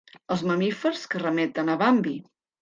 Els mamífers que remeten a Bambi.